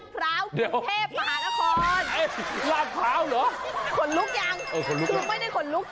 พี่พินโย